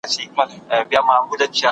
سپي او پیشو هم میکروبونه شریکوي.